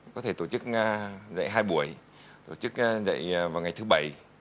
có thể tổ chức dạy hai buổi tổ chức dạy vào ngày thứ bảy